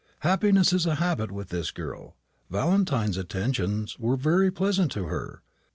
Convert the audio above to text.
Happiness is a habit with this girl. Valentine's attentions were very pleasant to her.